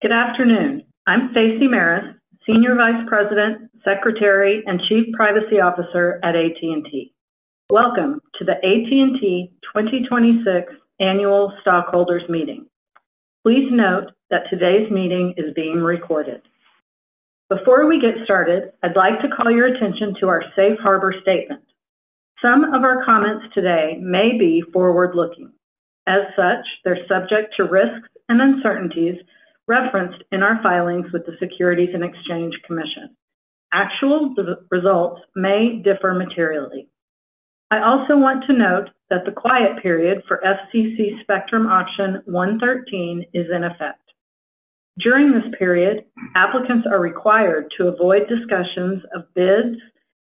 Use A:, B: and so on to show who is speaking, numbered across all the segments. A: Good afternoon. I'm Stacey Maris, Senior Vice President, Secretary, and Chief Privacy Officer at AT&T. Welcome to the AT&T 2026 Annual Stockholders Meeting. Please note that today's meeting is being recorded. Before we get started, I'd like to call your attention to our safe harbor statement. Some of our comments today may be forward-looking. As such, they're subject to risks and uncertainties referenced in our filings with the Securities and Exchange Commission. Actual results may differ materially. I also want to note that the quiet period for FCC Spectrum Auction 113 is in effect. During this period, applicants are required to avoid discussions of bids,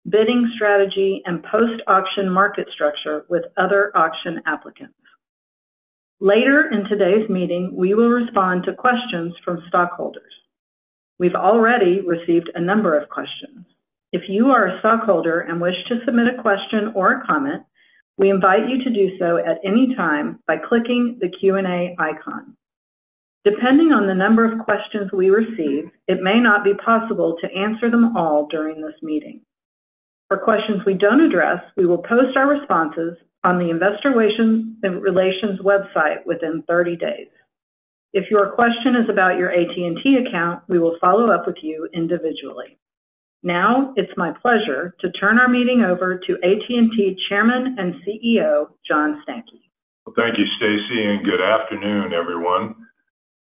A: bidding strategy, and post-auction market structure with other auction applicants. Later in today's meeting, we will respond to questions from stockholders. We've already received a number of questions. If you are a stockholder and wish to submit a question or a comment, we invite you to do so at any time by clicking the Q&A icon. Depending on the number of questions we receive, it may not be possible to answer them all during this meeting. For questions we don't address, we will post our responses on the Investor Relations website within 30 days. If your question is about your AT&T account, we will follow up with you individually. Now, it's my pleasure to turn our meeting over to AT&T Chairman and CEO, John Stankey.
B: Thank you, Stacey, and good afternoon, everyone.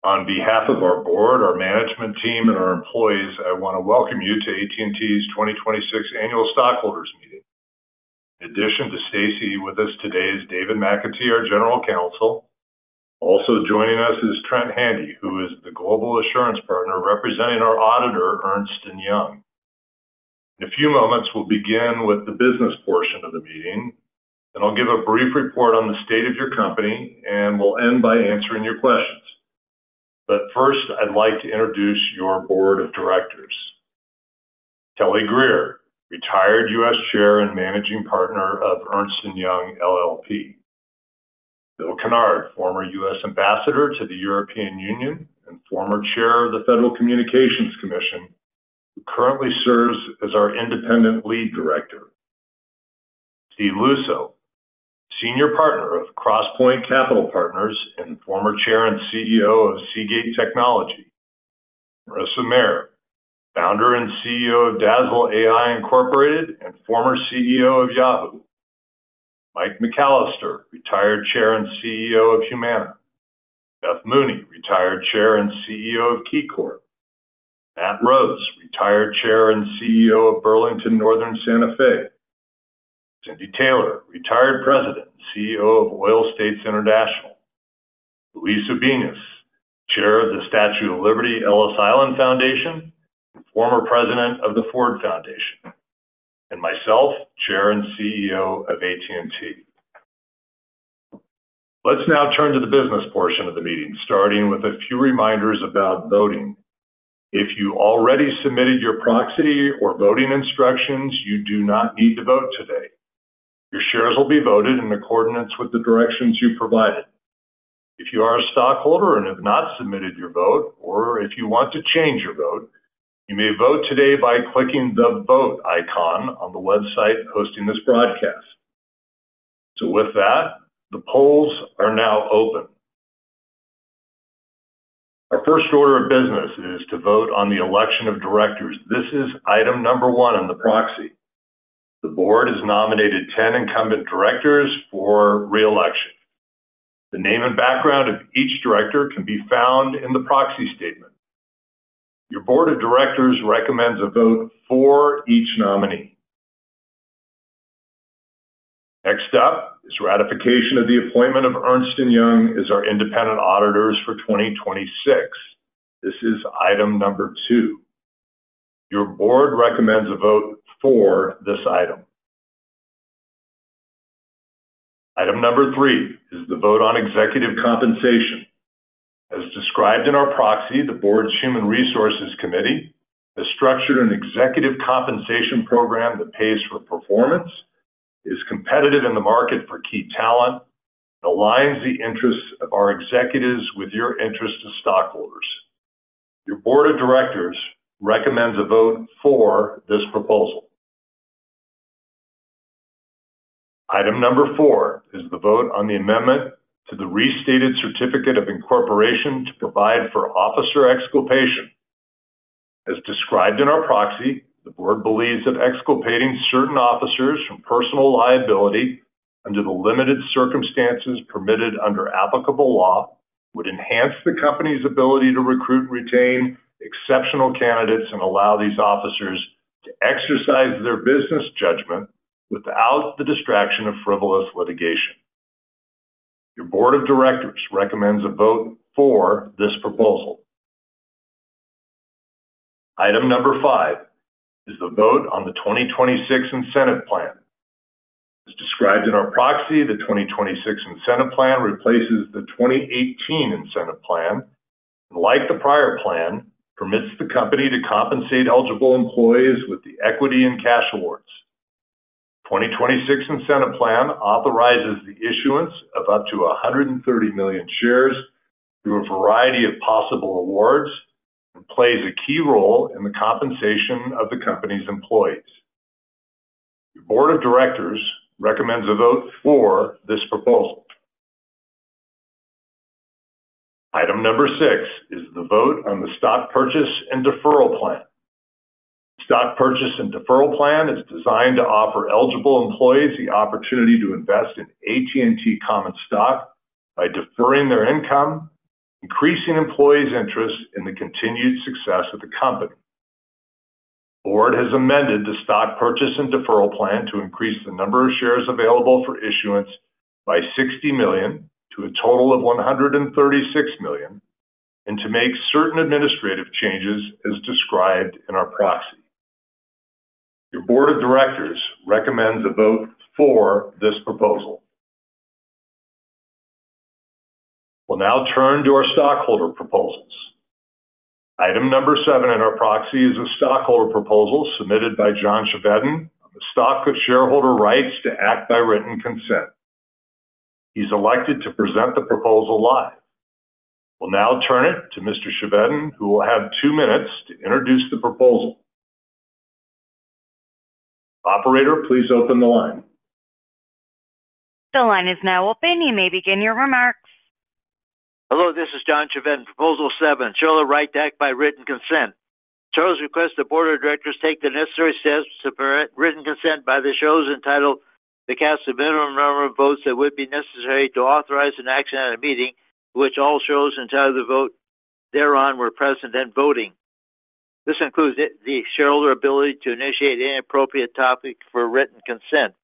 B: On behalf of our Board, our management team, and our employees, I want to welcome you to AT&T's 2026 Annual Stockholders' Meeting. In addition to Stacey, with us today is David McAtee, our General Counsel. Also joining us is Trent Henry, who is the Global Assurance Partner representing our auditor, Ernst & Young. In a few moments, we'll begin with the business portion of the meeting, and I'll give a brief report on the state of your company. We'll end by answering your questions. First, I'd like to introduce your Board of Directors. Kelly Grier, retired U.S. Chair and Managing Partner of Ernst & Young, LLP. Bill Kennard, former U.S. Ambassador to the European Union and former Chair of the Federal Communications Commission, who currently serves as our Independent Lead Director. Steve Luczo, Senior Partner of Crosspoint Capital Partners and former Chair and CEO of Seagate Technology. Marissa Mayer, Founder and CEO of Dazzle AI, Inc. and former CEO of Yahoo. Mike McCallister, retired Chair and CEO of Humana. Beth Mooney, retired Chair and CEO of KeyCorp. Matt Rose, retired Chair and CEO of Burlington Northern Santa Fe. Cynthia Taylor, retired President and CEO of Oil States International. Luis Ubiñas, Chair of The Statue of Liberty-Ellis Island Foundation, former President of the Ford Foundation, and myself, Chair and CEO of AT&T. Let's now turn to the business portion of the meeting, starting with a few reminders about voting. If you already submitted your proxy or voting instructions, you do not need to vote today. Your shares will be voted in the accordance with the directions you provided. If you are a stockholder and have not submitted your vote, or if you want to change your vote, you may vote today by clicking the Vote icon on the website hosting this broadcast. With that, the polls are now open. Our first order of business is to vote on the election of Directors. This is Item No. 1 on the proxy. The Board has nominated 10 incumbent directors for re-election. The name and background of each director can be found in the proxy statement. Your Board of Directors recommends a vote for each nominee. Next up is ratification of the appointment of Ernst & Young as our independent auditors for 2026. This is Item No. 2. Your Board recommends a vote for this item. Item No. 3 is the vote on executive compensation. As described in our proxy, the Board's Human Resources Committee has structured an executive compensation program that pays for performance, is competitive in the market for key talent, and aligns the interests of our executives with your interest as stockholders. Your Board of Directors recommends a vote for this proposal. Item No. 4 is the vote on the amendment to the Restated Certificate of Incorporation to provide for officer exculpation. As described in our proxy, the Board believes that exculpating certain officers from personal liability under the limited circumstances permitted under applicable law would enhance the company's ability to recruit and retain exceptional candidates and allow these officers to exercise their business judgment without the distraction of frivolous litigation. Your Board of Directors recommends a vote for this proposal. Item No. 5 is the vote on the 2026 Incentive Plan. As described in our proxy, the 2026 Incentive Plan replaces the 2018 Incentive Plan, and like the prior plan, permits the company to compensate eligible employees with the equity and cash awards. 2026 Incentive Plan authorizes the issuance of up to 130 million shares through a variety of possible awards and plays a key role in the compensation of the company's employees. Your Board of Directors recommends a vote for this proposal. Item No. 6 is the vote on the Stock Purchase and Deferral Plan. Stock Purchase and Deferral Plan is designed to offer eligible employees the opportunity to invest in AT&T common stock by deferring their income, increasing employees' interest in the continued success of the company. Board has amended the Stock Purchase and Deferral Plan to increase the number of shares available for issuance by 60 million to a total of 136 million and to make certain administrative changes as described in our proxy. Your Board of Directors recommends a vote for this proposal. We'll now turn to our stockholder proposals. Item seven in our proxy is a stockholder proposal submitted by John Chevedden on the stock of Shareholder Rights to Act by Written Consent. He's elected to present the proposal live. We'll now turn it to Mr. Chevedden, who will have two minutes to introduce the proposal. Operator, please open the line.
C: The line is now open. You may begin your remarks.
D: Hello, this is John Chevedden, Proposal 7, Shareholder Right to Act by Written Consent. Shareholders request the Board of Directors take the necessary steps to permit written consent by the shareholders entitled to cast the minimum number of votes that would be necessary to authorize an action at a meeting at which all shareholders entitled to vote thereon were present and voting. This includes the shareholder ability to initiate any appropriate topic for written consent.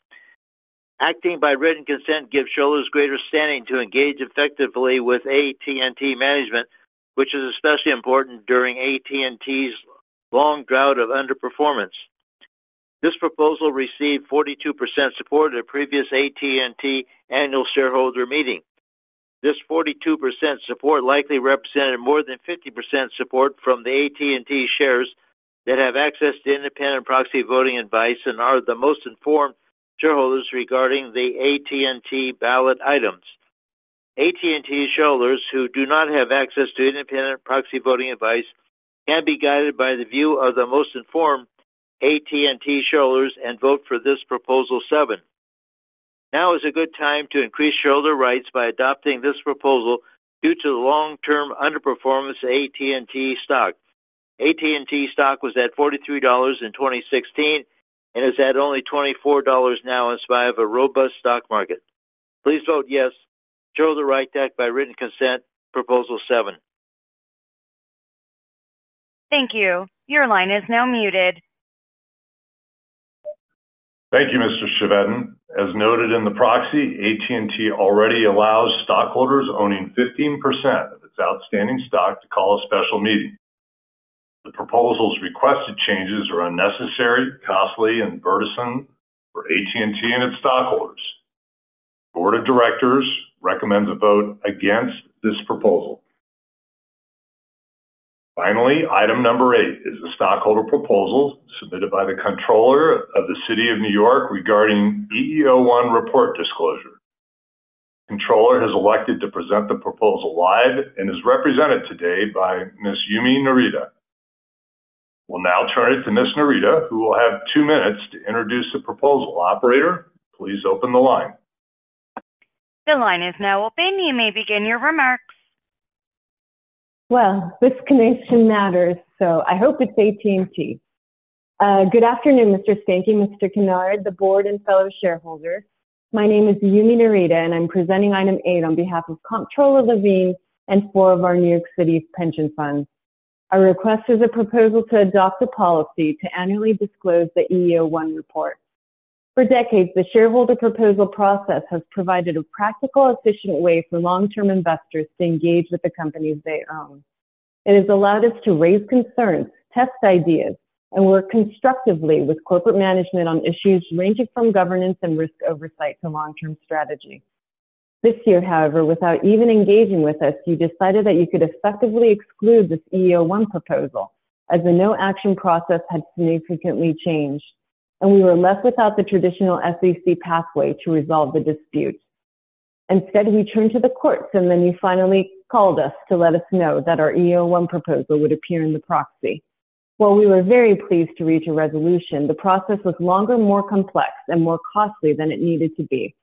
D: Acting by written consent gives shareholders greater standing to engage effectively with AT&T management, which is especially important during AT&T's long drought of underperformance. This proposal received 42% support at a previous AT&T annual shareholder meeting. This 42% support likely represented more than 50% support from the AT&T shares that have access to independent proxy voting advice and are the most informed shareholders regarding the AT&T ballot items. AT&T shareholders who do not have access to independent proxy voting advice can be guided by the view of the most informed AT&T shareholders and vote for this Proposal 7. Now is a good time to increase shareholder rights by adopting this proposal due to the long-term underperformance of AT&T stock. AT&T stock was at $43 in 2016 and is at only $24 now in spite of a robust stock market. Please vote yes. Shareholder Right to Act by Written Consent, Proposal 7.
C: Thank you. Your line is now muted.
B: Thank you, Mr. Chevedden. As noted in the proxy, AT&T already allows stockholders owning 15% of its outstanding stock to call a special meeting. The proposal's requested changes are unnecessary, costly, and burdensome for AT&T and its stockholders. Board of Directors recommends a vote against this proposal. Finally, Item No. 8 is the stockholder proposal submitted by the Comptroller of the City of New York regarding EEO-1 Report disclosure. Comptroller has elected to present the proposal live and is represented today by Ms. Yumi Narita. We'll now turn it to Ms. Narita, who will have two minutes to introduce the proposal. Operator, please open the line.
C: The line is now open. You may begin your remarks.
E: Well, this connection matters, I hope it's AT&T. Good afternoon, Mr. Stankey, Mr. Kennard, the Board and fellow shareholders. My name is Yumi Narita, I'm presenting Item 8 on behalf of Comptroller Levine and four of our New York City's pension funds. Our request is a proposal to adopt a policy to annually disclose the EEO-1 Report. For decades, the shareholder proposal process has provided a practical, efficient way for long-term investors to engage with the companies they own. It has allowed us to raise concerns, test ideas, and work constructively with corporate management on issues ranging from governance and risk oversight to long-term strategy. This year, however, without even engaging with us, you decided that you could effectively exclude this EEO-1 proposal as the no-action process had significantly changed, we were left without the traditional SEC pathway to resolve the dispute. Instead, we turned to the courts, and then you finally called us to let us know that our EEO-1 proposal would appear in the proxy. While we were very pleased to reach a resolution, the process was longer, more complex, and more costly than it needed to be,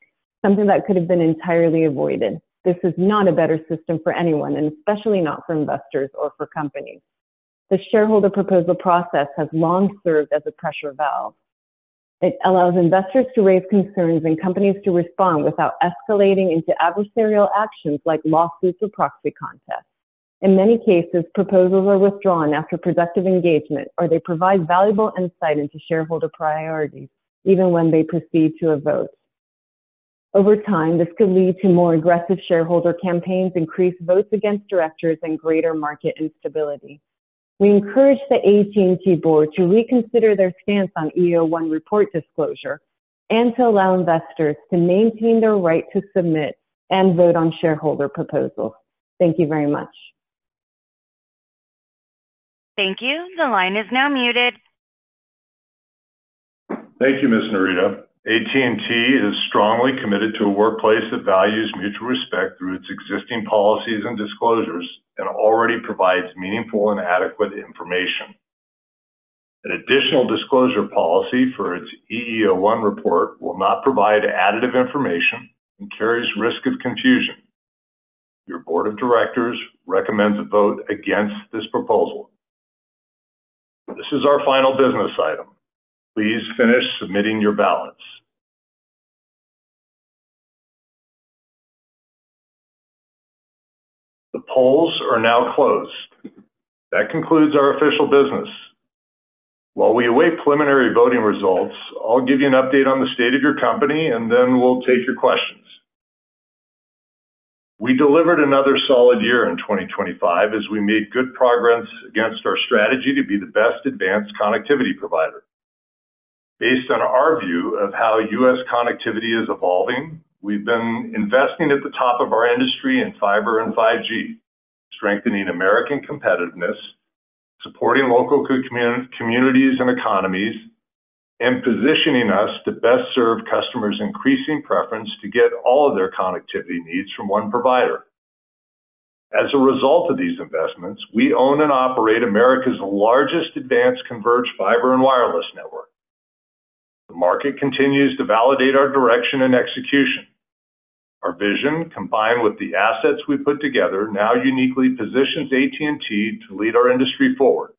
E: something that could have been entirely avoided. This is not a better system for anyone, and especially not for investors or for companies. The shareholder proposal process has long served as a pressure valve. It allows investors to raise concerns and companies to respond without escalating into adversarial actions like lawsuits or proxy contests. In many cases, proposals are withdrawn after productive engagement, or they provide valuable insight into shareholder priorities even when they proceed to a vote. Over time, this could lead to more aggressive shareholder campaigns, increased votes against directors, and greater market instability. We encourage the AT&T Board to reconsider their stance on EEO-1 Report disclosure and to allow investors to maintain their right to submit and vote on shareholder proposals. Thank you very much.
C: Thank you. The line is now muted.
B: Thank you, Ms. Narita. AT&T is strongly committed to a workplace that values mutual respect through its existing policies and disclosures, and already provides meaningful and adequate information. An additional disclosure policy for its EEO-1 Report will not provide additive information and carries risk of confusion. Your Board of Directors recommends a vote against this proposal. This is our final business item. Please finish submitting your ballots. The polls are now closed. That concludes our official business. While we await preliminary voting results, I'll give you an update on the state of your company, and then we'll take your questions. We delivered another solid year in 2025 as we made good progress against our strategy to be the best advanced connectivity provider. Based on our view of how U.S. connectivity is evolving, we've been investing at the top of our industry in fiber and 5G, strengthening American competitiveness, supporting local communities and economies, and positioning us to best serve customers' increasing preference to get all of their connectivity needs from one provider. As a result of these investments, we own and operate America's largest advanced converged fiber and wireless network. The market continues to validate our direction and execution. Our vision, combined with the assets we've put together, now uniquely positions AT&T to lead our industry forward.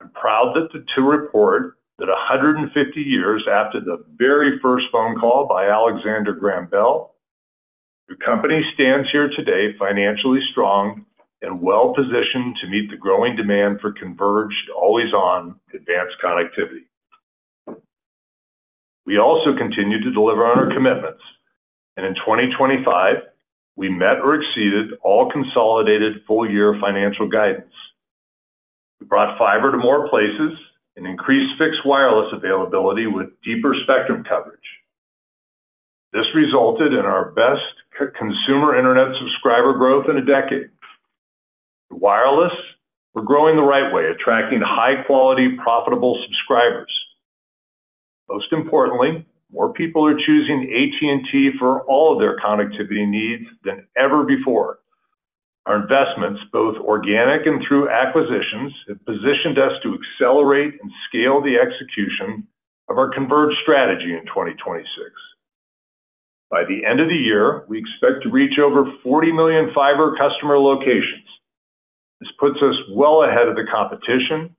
B: I'm proud to report that 150 years after the very first phone call by Alexander Graham Bell, the company stands here today financially strong and well-positioned to meet the growing demand for converged, always-on advanced connectivity. We also continue to deliver on our commitments, and in 2025, we met or exceeded all consolidated full-year financial guidance. We brought fiber to more places and increased fixed wireless availability with deeper spectrum coverage. This resulted in our best consumer internet subscriber growth in a decade. Wireless, we're growing the right way, attracting high-quality, profitable subscribers. Most importantly, more people are choosing AT&T for all of their connectivity needs than ever before. Our investments, both organic and through acquisitions, have positioned us to accelerate and scale the execution of our converged strategy in 2026. By the end of the year, we expect to reach over 40 million fiber customer locations. This puts us well ahead of the competition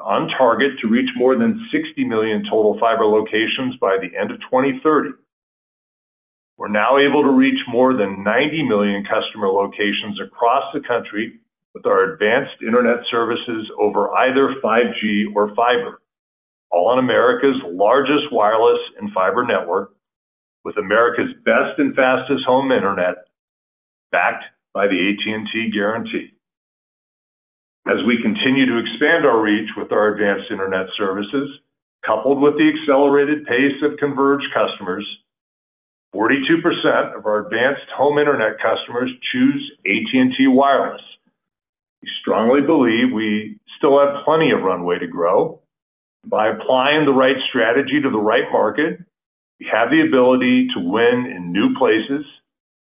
B: and on target to reach more than 60 million total fiber locations by the end of 2030. We're now able to reach more than 90 million customer locations across the country with our advanced Internet services over either 5G or fiber, all on America's largest wireless and fiber network with America's best and fastest home internet backed by the AT&T Guarantee. We continue to expand our reach with our advanced internet services, coupled with the accelerated pace of converged customers, 42% of our advanced home internet customers choose AT&T Wireless. We strongly believe we still have plenty of runway to grow. By applying the right strategy to the right market, we have the ability to win in new places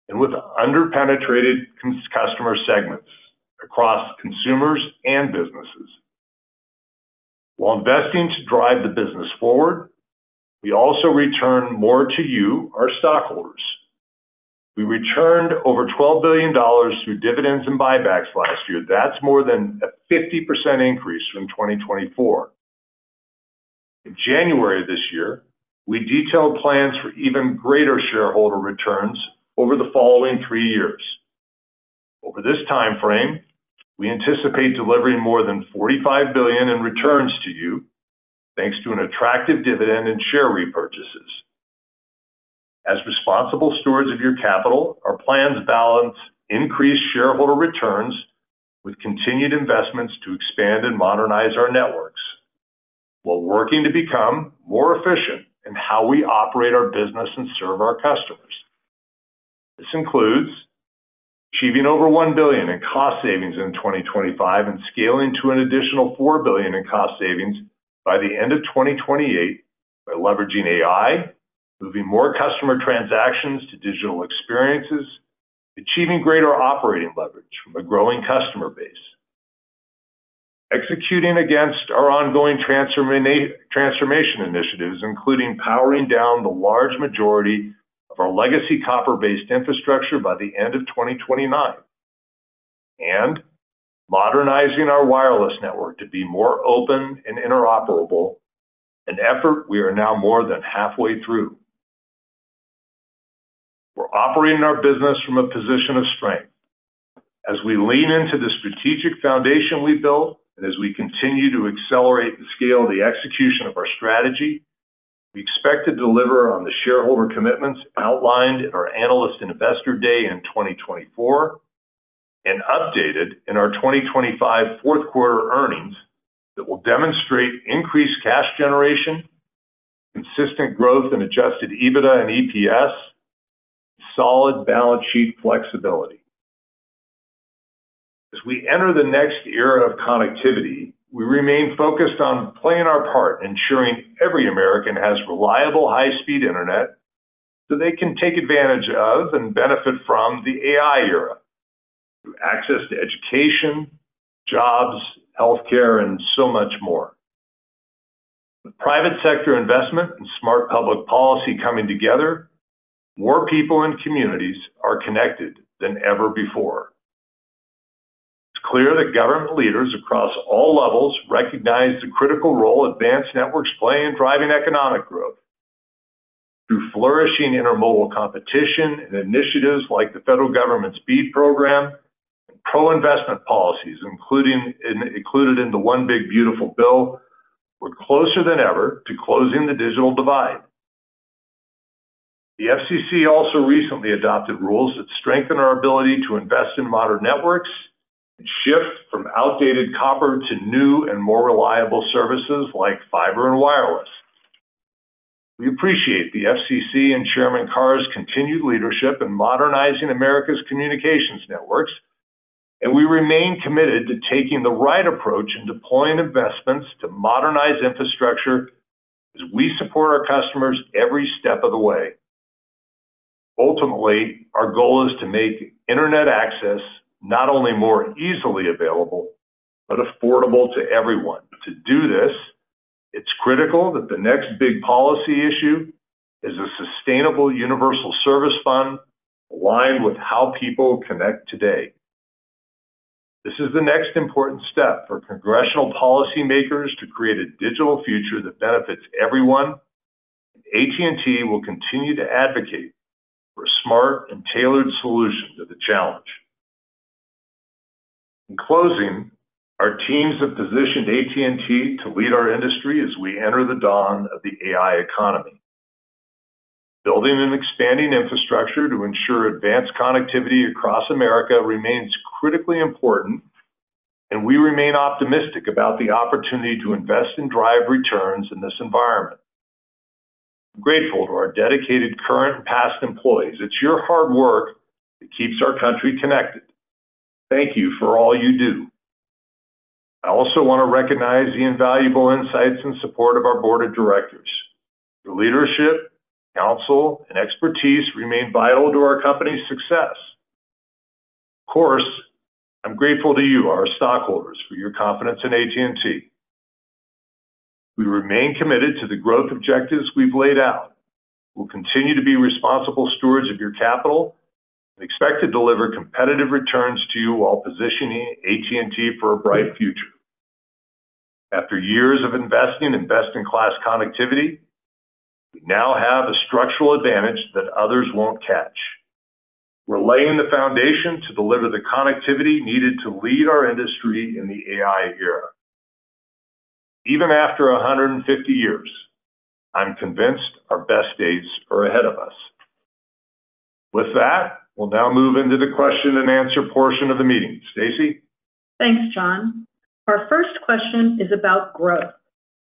B: and with under-penetrated customer segments across consumers and businesses. While investing to drive the business forward, we also return more to you, our stockholders. We returned over $12 billion through dividends and buybacks last year. That's more than a 50% increase from 2024. In January this year, we detailed plans for even greater shareholder returns over the following three years. Over this timeframe, we anticipate delivering more than $45 billion in returns to you, thanks to an attractive dividend and share repurchases. As responsible stewards of your capital, our plans balance increased shareholder returns with continued investments to expand and modernize our networks while working to become more efficient in how we operate our business and serve our customers. This includes achieving over $1 billion in cost savings in 2025 and scaling to an additional $4 billion in cost savings by the end of 2028 by leveraging AI, moving more customer transactions to digital experiences, achieving greater operating leverage from a growing customer base. Executing against our ongoing transformation initiatives, including powering down the large majority of our legacy copper-based infrastructure by the end of 2029 and modernizing our wireless network to be more open and interoperable, an effort we are now more than halfway through. We're operating our business from a position of strength. As we lean into the strategic foundation we built, as we continue to accelerate the scale of the execution of our strategy, we expect to deliver on the shareholder commitments outlined in our Analyst and Investor Day in 2024 and updated in our 2025 fourth quarter earnings that will demonstrate increased cash generation, consistent growth in adjusted EBITDA and EPS. Solid balance sheet flexibility. As we enter the next era of connectivity, we remain focused on playing our part, ensuring every American has reliable high-speed internet, so they can take advantage of and benefit from the AI era. Through access to education, jobs, healthcare, and so much more. With private sector investment and smart public policy coming together, more people and communities are connected than ever before. It's clear that government leaders across all levels recognize the critical role advanced networks play in driving economic growth. Through flourishing intermodal competition and initiatives like the federal government's BEAD program, and pro-investment policies, including the One Big Beautiful Bill Act, we're closer than ever to closing the digital divide. The FCC also recently adopted rules that strengthen our ability to invest in modern networks and shift from outdated copper to new and more reliable services like fiber and wireless. We appreciate the FCC and Chairman Carr's continued leadership in modernizing America's communications networks, and we remain committed to taking the right approach in deploying investments to modernize infrastructure as we support our customers every step of the way. Ultimately, our goal is to make internet access not only more easily available, but affordable to everyone. To do this, it's critical that the next big policy issue is a sustainable Universal Service Fund aligned with how people connect today. This is the next important step for congressional policymakers to create a digital future that benefits everyone. AT&T will continue to advocate for a smart and tailored solution to the challenge. In closing, our teams have positioned AT&T to lead our industry as we enter the dawn of the AI economy. Building and expanding infrastructure to ensure advanced connectivity across America remains critically important, and we remain optimistic about the opportunity to invest and drive returns in this environment. Grateful to our dedicated current and past employees. It's your hard work that keeps our country connected. Thank you for all you do. I also want to recognize the invaluable insights and support of our Board of Directors. Your leadership, counsel, and expertise remain vital to our company's success. Of course, I'm grateful to you, our stockholders, for your confidence in AT&T. We remain committed to the growth objectives we've laid out. We'll continue to be responsible stewards of your capital and expect to deliver competitive returns to you while positioning AT&T for a bright future. After years of investing in best-in-class connectivity, we now have a structural advantage that others won't catch. We're laying the foundation to deliver the connectivity needed to lead our industry in the AI era. Even after 150 years, I'm convinced our best days are ahead of us. With that, we'll now move into the question-and-answer portion of the meeting. Stacey?
A: Thanks, John. Our first question is about growth.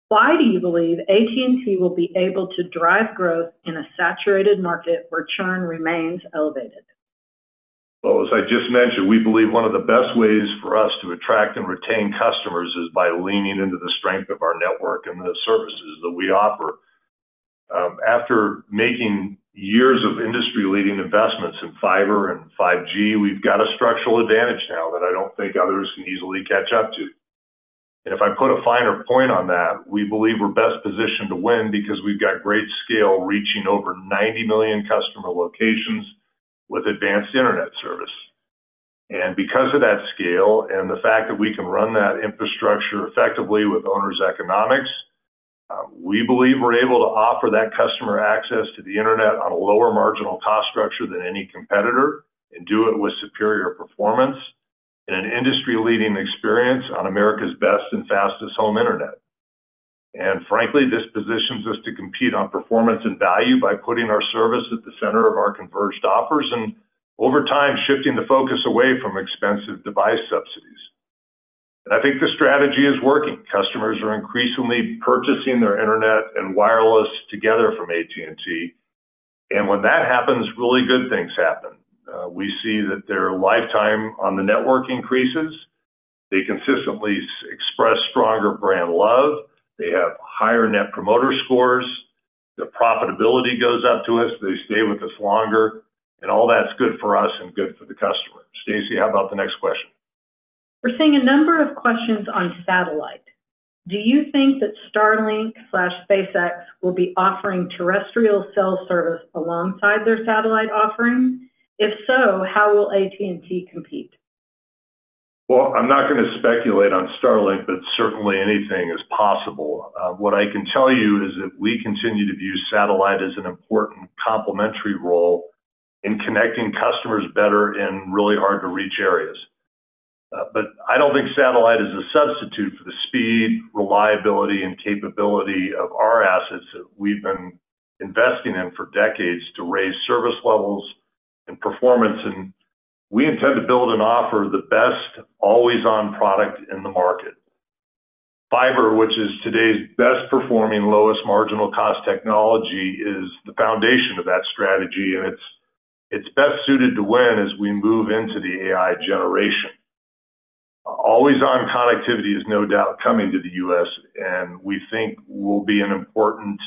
A: Why do you believe AT&T will be able to drive growth in a saturated market where churn remains elevated?
B: Well, as I just mentioned, we believe one of the best ways for us to attract and retain customers is by leaning into the strength of our network and the services that we offer. After making years of industry-leading investments in fiber and 5G, we've got a structural advantage now that I don't think others can easily catch up to. If I put a finer point on that, we believe we're best positioned to win because we've got great scale, reaching over 90 million customer locations with advanced internet service. Because of that scale and the fact that we can run that infrastructure effectively with owners' economics, we believe we're able to offer that customer access to the Internet on a lower marginal cost structure than any competitor and do it with superior performance in an industry-leading experience on America's best and fastest home internet. Frankly, this positions us to compete on performance and value by putting our service at the center of our converged offers and over time, shifting the focus away from expensive device subsidies. I think the strategy is working. Customers are increasingly purchasing their internet and wireless together from AT&T, and when that happens, really good things happen. We see that their lifetime on the network increases, they consistently express stronger brand love, they have higher Net Promoter Scores, their profitability goes up to us, they stay with us longer, and all that's good for us and good for the customer. Stacey, how about the next question?
A: We're seeing a number of questions on satellite. Do you think that Starlink/SpaceX will be offering terrestrial cell service alongside their satellite offerings? If so, how will AT&T compete?
B: Well, I'm not gonna speculate on Starlink, but certainly, anything is possible. What I can tell you is that we continue to view satellite as an important complementary role in connecting customers better in really hard-to-reach areas. But I don't think satellite is a substitute for the speed, reliability, and capability of our assets that we've been investing in for decades to raise service levels and performance, and we intend to build and offer the best always-on product in the market. Fiber, which is today's best performing, lowest marginal cost technology, is the foundation of that strategy. It's best suited to win as we move into the AI generation. Always-on connectivity is no doubt coming to the U.S., and we think will be an important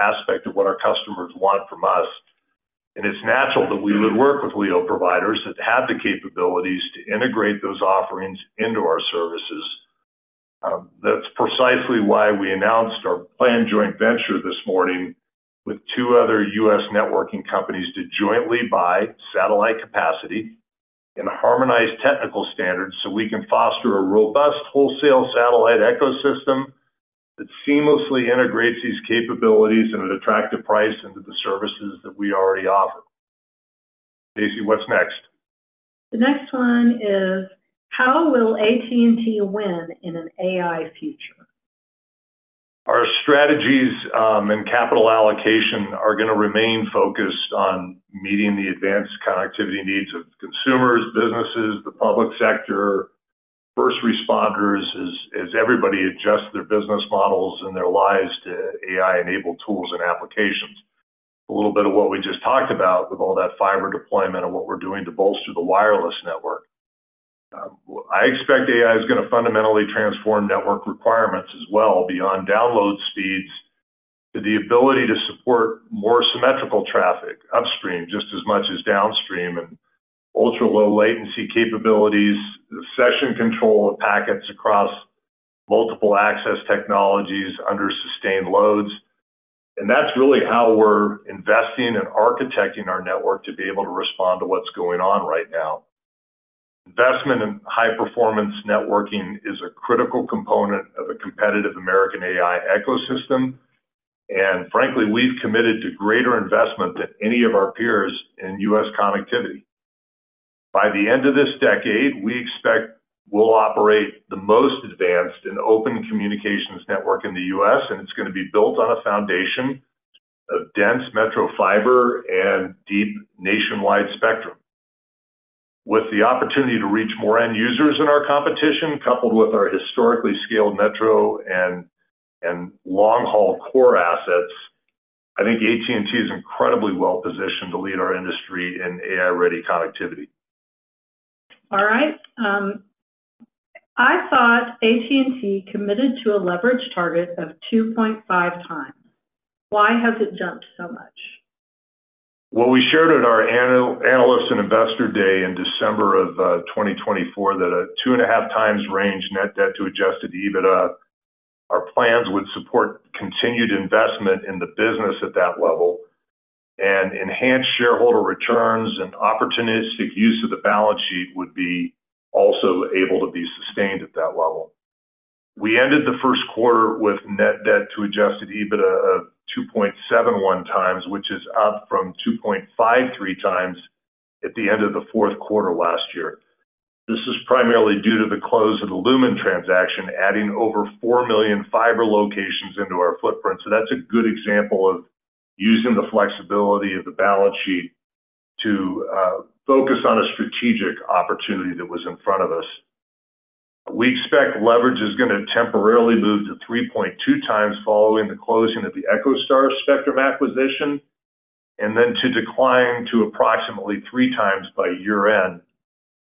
B: aspect of what our customers want from us. It's natural that we would work with LEO providers that have the capabilities to integrate those offerings into our services. That's precisely why we announced our planned joint venture this morning with two other U.S. networking companies to jointly buy satellite capacity and harmonize technical standards so we can foster a robust wholesale satellite ecosystem that seamlessly integrates these capabilities at an attractive price into the services that we already offer. Stacey, what's next?
A: The next one is how will AT&T win in an AI future?
B: Our strategies and capital allocation are gonna remain focused on meeting the advanced connectivity needs of consumers, businesses, the public sector, first responders, as everybody adjusts their business models and their lives to AI-enabled tools and applications. A little bit of what we just talked about with all that fiber deployment and what we're doing to bolster the wireless network. I expect AI is gonna fundamentally transform network requirements as well beyond download speeds to the ability to support more symmetrical traffic upstream just as much as downstream, and ultra-low latency capabilities, session control of packets across multiple access technologies under sustained loads. That's really how we're investing and architecting our network to be able to respond to what's going on right now. Investment in high-performance networking is a critical component of a competitive American AI ecosystem. Frankly, we've committed to greater investment than any of our peers in U.S. connectivity. By the end of this decade, we expect we'll operate the most advanced and open communications network in the U.S. It's gonna be built on a foundation of dense metro fiber and deep nationwide spectrum. With the opportunity to reach more end users in our competition, coupled with our historically scaled metro and long-haul core assets, I think AT&T is incredibly well-positioned to lead our industry in AI-ready connectivity.
A: All right. I thought AT&T committed to a leverage target of 2.5x. Why has it jumped so much?
B: Well, we shared at our analysts and investor day in December of 2024 that a 2.5x range net debt to adjusted EBITDA, our plans would support continued investment in the business at that level and enhance shareholder returns and opportunistic use of the balance sheet would be also able to be sustained at that level. We ended the first quarter with net debt to adjusted EBITDA of 2.71x, which is up from 2.53x at the end of the fourth quarter last year. This is primarily due to the close of the Lumen transaction, adding over 4 million fiber locations into our footprint. That's a good example of using the flexibility of the balance sheet to focus on a strategic opportunity that was in front of us. We expect leverage is gonna temporarily move to 3.2x following the closing of the EchoStar spectrum acquisition, then to decline to approximately 3x by year-end,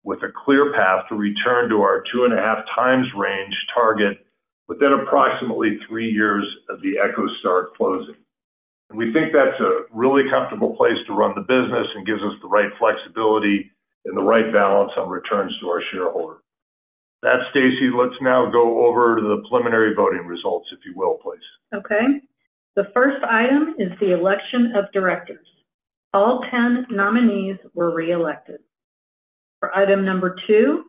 B: with a clear path to return to our 2.5x range target within approximately three years of the EchoStar closing. We think that's a really comfortable place to run the business and gives us the right flexibility and the right balance on returns to our shareholder. That's Stacey. Let's now go over to the preliminary voting results, if you will, please.
A: Okay. The first item is the election of Directors. All 10 nominees were reelected. For Item No. 2,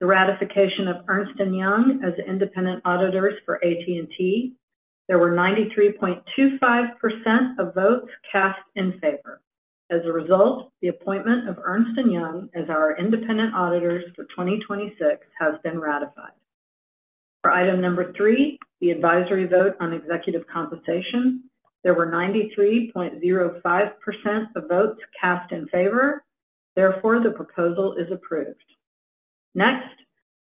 A: the ratification of Ernst & Young as independent auditors for AT&T, there were 93.25% of votes cast in favor. As a result, the appointment of Ernst & Young as our independent auditors for 2026 has been ratified. For Item No.3, the advisory vote on executive compensation, there were 93.05% of votes cast in favor. Therefore, the proposal is approved. Next,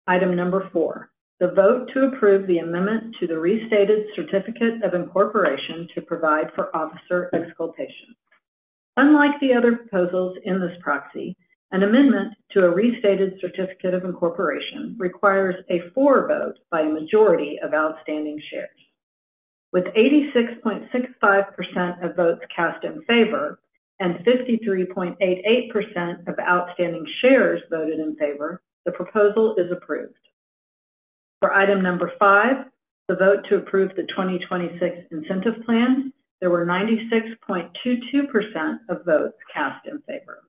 A: Item No. 4, the vote to approve the amendment to the Restated Certificate of Incorporation to provide for officer exculpation. Unlike the other proposals in this proxy, an amendment to a Restated Certificate of Incorporation requires a for vote by a majority of outstanding shares. With 86.65% of votes cast in favor and 53.88% of outstanding shares voted in favor, the proposal is approved. For Item No. 5, the vote to approve the 2026 Incentive Plan, there were 96.22% of votes cast in favor.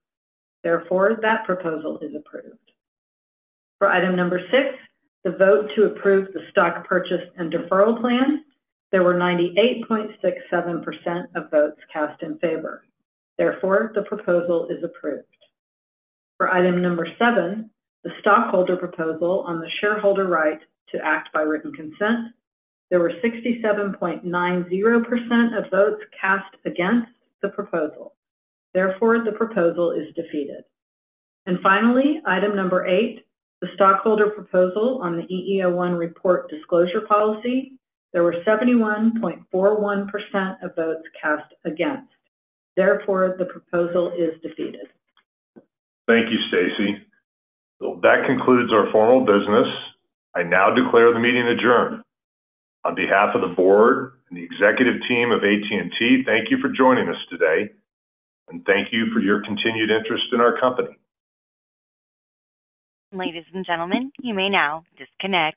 A: Therefore, that proposal is approved. For Item No. 6, the vote to approve the Stock Purchase and Deferral Plan, there were 98.67% of votes cast in favor. Therefore, the proposal is approved. For Item No. 7, the stockholder proposal on the Shareholder Right to Act by Written Consent, there were 67.90% of votes cast against the proposal. Therefore, the proposal is defeated. Finally, Item No. 8, the stockholder proposal on the EEO-1 Report Disclosure Policy, there were 71.41% of votes cast against. Therefore, the proposal is defeated.
B: Thank you, Stacey. Well, that concludes our formal business. I now declare the meeting adjourned. On behalf of the Board and the executive team of AT&T, thank you for joining us today, and thank you for your continued interest in our company.
C: Ladies and gentlemen, you may now disconnect.